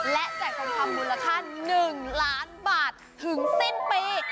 และแจกทองคำมูลค่า๑ล้านบาทถึงสิ้นปี